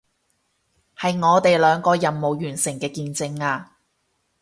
係我哋兩個任務完成嘅見證啊